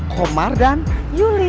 komar dan yuli